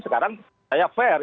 sekarang saya fair